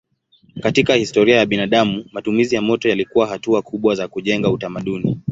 Katika historia ya binadamu matumizi ya moto yalikuwa hatua kubwa ya kujenga utamaduni.